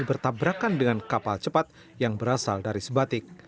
bertabrakan dengan kapal cepat yang berasal dari sebatik